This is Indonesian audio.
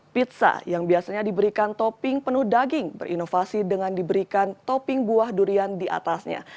pizza yang biasanya diberikan topping penuh daging berinovasi dengan diberikan topping buah durian diatasnya